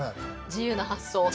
自由な発想。